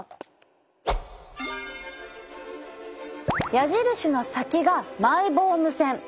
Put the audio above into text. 矢印の先がマイボーム腺。